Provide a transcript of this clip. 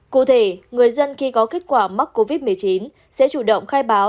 cụ thể người dân khi có kết quả mắc covid một mươi chín sẽ chủ động khai báo